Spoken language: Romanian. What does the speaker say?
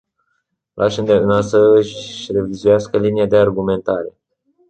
L-aș îndemna să își revizuiască linia de argumentare.